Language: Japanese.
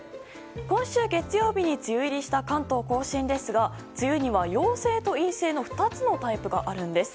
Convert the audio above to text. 今週月曜日に梅雨入りした関東・甲信ですが梅雨には、陽性と陰性の２つのタイプがあるんです。